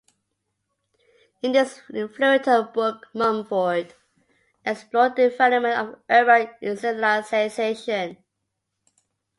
In this influential book Mumford explored the development of urban civilizations.